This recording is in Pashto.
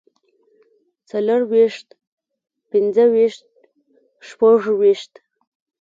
څلورويشت پنځويشت شپږويشت